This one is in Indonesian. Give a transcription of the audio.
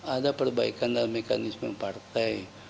ada perbaikan dalam mekanisme partai